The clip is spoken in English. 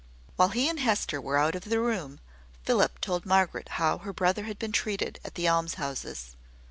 While he and Hester were out of the room, Philip told Margaret how her brother had been treated at the almshouses.